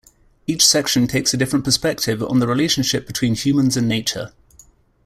Each section takes a different perspective on the relationship between humans and nature.